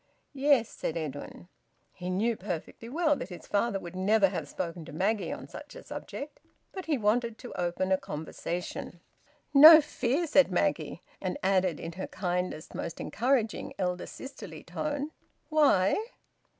"Yes," said Edwin. He knew perfectly well that his father would never have spoken to Maggie on such a subject. But he wanted to open a conversation. "No fear!" said Maggie. And added in her kindest, most encouraging, elder sisterly tone: "Why?"